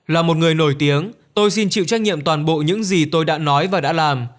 là một người nổi tiếng tôi xin chịu trách nhiệm toàn bộ những gì tôi đã nói và đã làm